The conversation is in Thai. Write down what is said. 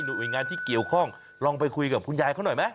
หน่วยงานที่เกี่ยวข้องลองไปคุยกับคุณยายเขาหน่อยไหม